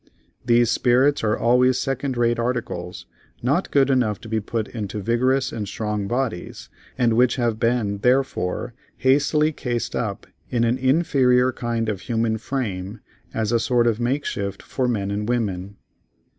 These spirits are always second rate articles, not good enough to be put into vigorous and strong bodies, and which have been therefore hastily cased up in an inferior kind of human frame as a sort of make shift for men and women.